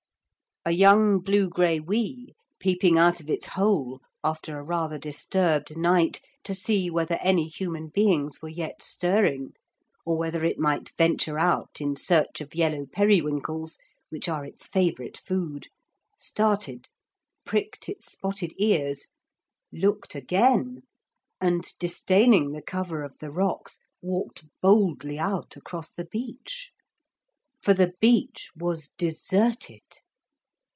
A young blugraiwee, peeping out of its hole after a rather disturbed night to see whether any human beings were yet stirring or whether it might venture out in search of yellow periwinkles, which are its favourite food, started, pricked its spotted ears, looked again, and, disdaining the cover of the rocks, walked boldly out across the beach. For the beach was deserted.